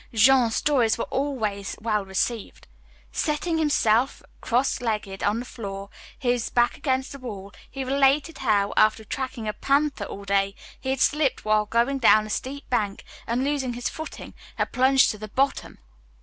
Jean's stories were always well received. Settling himself cross legged on the floor, his back against the wall, he related how, after tracking a panther all day, he had slipped while going down a steep bank and losing his footing had plunged to the bottom.